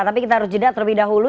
tapi kita harus jeda terlebih dahulu